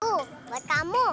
bu buat kamu